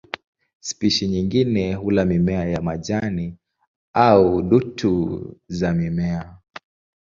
Spishi nyingine hula mimea ya majini au dutu za mimea.